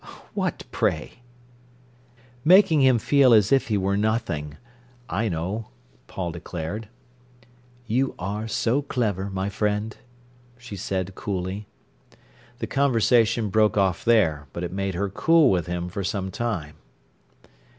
"What, pray?" "Making him feel as if he were nothing—I know," Paul declared. "You are so clever, my friend," she said coolly. The conversation broke off there. But it made her cool with him for some time.